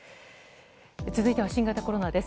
続いては新型コロナです。